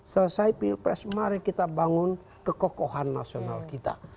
selesai pilpres mari kita bangun kekokohan nasional kita